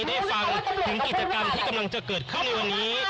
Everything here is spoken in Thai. ได้ฟังถึงกิจกรรมที่กำลังจะเกิดขึ้นในวันนี้